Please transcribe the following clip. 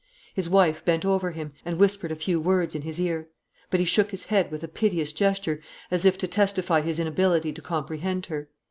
His wife bent over him, and whispered a few words in his ear; but he shook his head with a piteous gesture, as if to testify his inability to comprehend her.